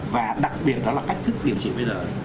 và đặc biệt đó là cách thức điều trị bây giờ